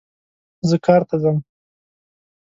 زه کار ته ځم